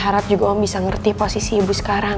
harap juga om bisa ngerti posisi ibu sekarang